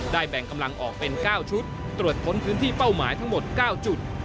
แบ่งกำลังออกเป็น๙ชุดตรวจค้นพื้นที่เป้าหมายทั้งหมด๙จุด